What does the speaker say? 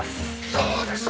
そうですか。